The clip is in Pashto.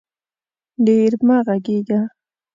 ډېر مه غږېږه